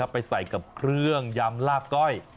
ไปใส่กับเครื่องยำลาบก้อย